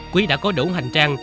quý đã có đủ hành trang